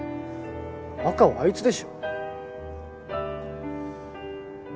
馬鹿はあいつでしょ。